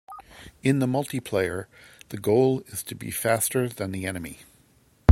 In the multiplayer, the goal is to be faster than the enemy.